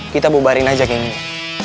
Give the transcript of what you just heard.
kita bubarin aja geng ini